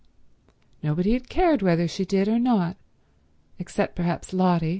Nobody had cared whether she did or not, except perhaps Lotty.